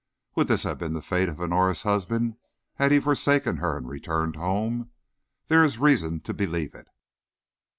Would this have been the fate of Honora's husband had he forsaken her and returned home? There is reason to believe it.